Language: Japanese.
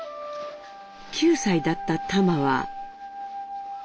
９歳だったタマは。